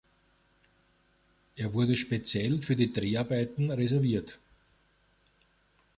Er wurde speziell für die Dreharbeiten reserviert.